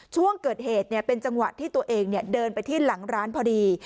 ช่วงเกิดเหตุเป็นจังหวะที่ตัวเองเดินไปที่หลังร้านพอดี